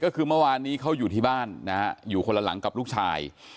ก็คือเมื่อวานนี้เขาอยู่ที่บ้านนะฮะอยู่คนละหลังกับลูกชาย